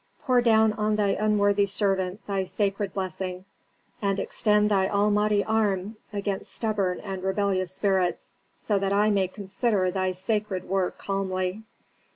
Pour down on thy unworthy servant thy sacred blessing, and extend thy almighty arm against stubborn and rebellious spirits, so that I may consider thy sacred work calmly."